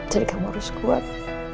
jadi kamu harus kuat